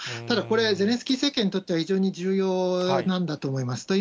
ただこれ、ゼレンスキー政権にとっては非常に重要なんだと思います。